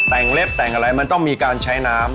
แต่งเล็บแต่งอะไรมันต้องมีการใช้น้ำ